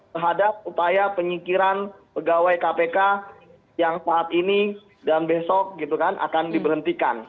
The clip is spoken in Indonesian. terhadap upaya penyingkiran pegawai kpk yang saat ini dan besok akan diberhentikan